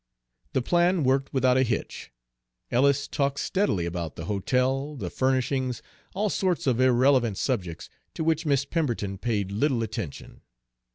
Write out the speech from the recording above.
The plan worked without a hitch. Ellis talked steadily, about the hotel, the furnishings, all sorts of irrelevant subjects, to which Miss Pemberton paid little attention.